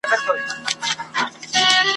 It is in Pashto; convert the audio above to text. زه پر وزر باندي ویشتلی زاڼی `